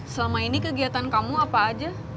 selama ini kegiatan kamu apa aja